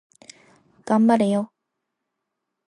頑張れよ